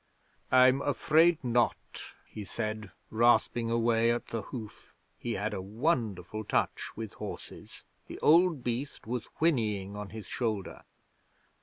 '"I'm afraid not," he said, rasping away at the hoof. He had a wonderful touch with horses. The old beast was whinnying on his shoulder.